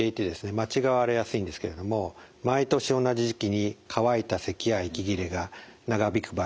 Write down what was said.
間違われやすいんですけれども毎年同じ時期に乾いたせきや息切れが長引く場合